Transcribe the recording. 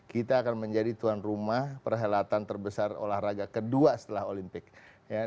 kita akan menjadi tuan rumah perhelatan terbesar olahraga kedua setelah olimpik